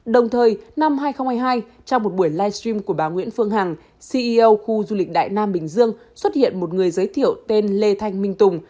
đồng thời năm hai nghìn hai mươi hai trong một buổi livestream của bà nguyễn phương hằng ceo khu du lịch đại nam bình dương xuất hiện một người giới thiệu tên lê thanh minh tùng